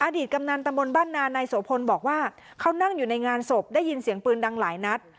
ตกำนันตะมนต์บ้านนานายโสพลบอกว่าเขานั่งอยู่ในงานศพได้ยินเสียงปืนดังหลายนัด